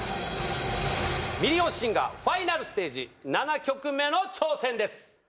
『ミリオンシンガー』ファイナルステージ７曲目の挑戦です。